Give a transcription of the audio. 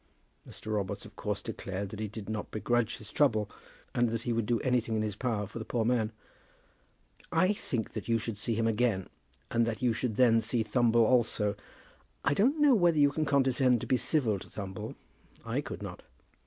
Mr. Robarts of course declared that he did not begrudge his trouble, and that he would do anything in his power for the poor man. "I think that you should see him again, and that you should then see Thumble also. I don't know whether you can condescend to be civil to Thumble. I could not."